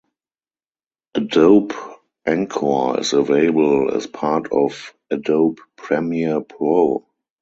Adobe Encore is available as part of Adobe Premiere Pro.